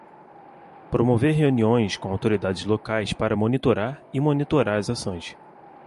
Promover reuniões com autoridades locais para monitorar e monitorar as ações.